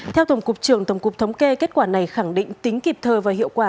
theo tổng cục trưởng tổng cục thống kê kết quả này khẳng định tính kịp thời và hiệu quả